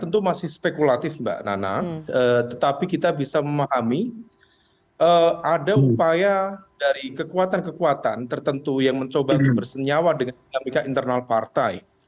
tentu masih spekulatif mbak nana tetapi kita bisa memahami ada upaya dari kekuatan kekuatan tertentu yang mencoba bersenyawa dengan dinamika internal partai